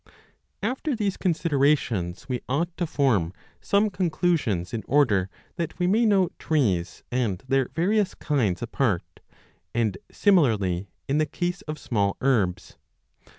1 After these considerations we ought to form some con clusions in order that we may know trees and their varioys kinds apart, and similarly in the case of small herbs.